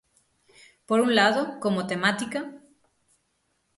Por un lado, como temática.